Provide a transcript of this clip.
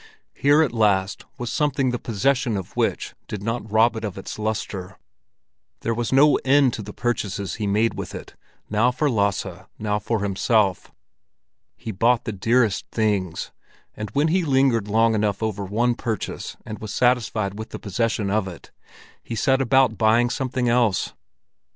Here at last was something the possession of which did not rob it of its lustre. There was no end to the purchases he made with it, now for Lasse, now for himself. He bought the dearest things, and when he lingered long enough over one purchase and was satiated with the possession of it, he set about buying something else.